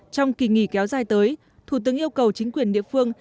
trong kỳ nghỉ kéo dài tới thủ tướng yêu cầu chính quyền địa phương